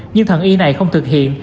nhưng thần y này không thực hiện